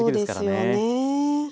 そうですよね。